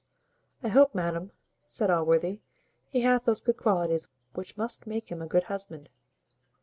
"I hope, madam," said Allworthy, "he hath those good qualities which must make him a good husband.